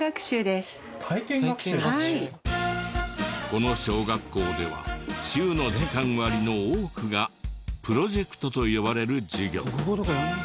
この小学校では週の時間割の多くがプロジェクトと呼ばれる授業。